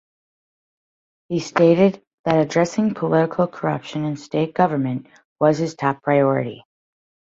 He stated that addressing political corruption in state government was his top priority.